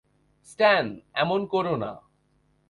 স্ট্যান, এমন কোরো না।